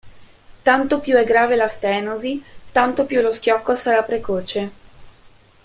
Tanto più è grave la stenosi, tanto più lo schiocco sarà precoce.